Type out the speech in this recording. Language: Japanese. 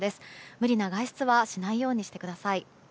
無理な外出はしないようにしてください。